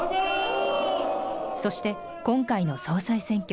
そして、今回の総裁選挙。